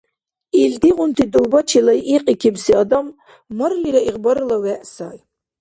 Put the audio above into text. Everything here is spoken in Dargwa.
Илдигъунти дугьбачи лайикьикибси адам, марлира, игъбарла вегӀ сай.